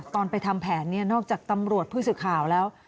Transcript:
ตอนไปทำแผนเนี่ยนอกจากตำรวจผู้สื่อข่าวแล้ว